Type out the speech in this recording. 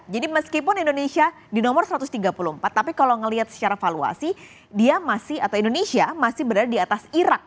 jadi meskipun indonesia di nomor satu ratus tiga puluh empat tapi kalau ngelihat secara valuasi dia masih atau indonesia masih berada di atas irak